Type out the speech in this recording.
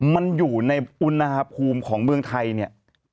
มันอยู่ในอุณหภูมิของเมืองไทยเนี่ย